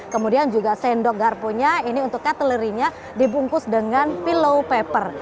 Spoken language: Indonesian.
kemudian juga sendok garponya ini untuk katalerinya dibungkus dengan pillow paper